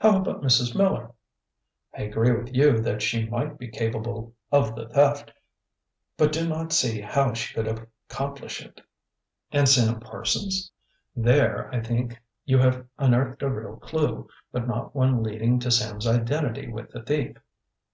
"How about Mrs. Miller?" "I agree with you that she might be capable of the theft, but do not see how she could accomplish it." "And Sam Parsons?" "There, I think, you have unearthed a real clew, but not one leading to Sam's identity with the thief.